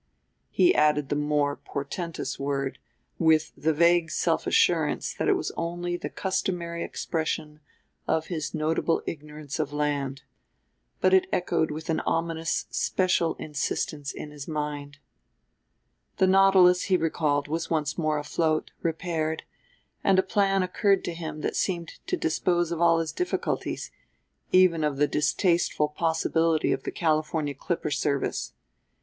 He added the more portentous word with the vague self assurance that it was only the customary expression of his notable ignorance of land; but it echoed with an ominous special insistence in his mind. The Nautilus, he recalled, was once more afloat, repaired; and a plan occurred to him that seemed to dispose of all his difficulties, even of the distasteful possibility of the California clipper service.